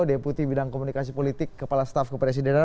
deputi bidang komunikasi politik kepala staf kepresidenan